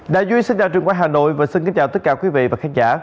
đại duy xin ra trường quay hà nội và xin kính chào tất cả quý vị và khán giả